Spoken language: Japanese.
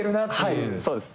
はいそうです。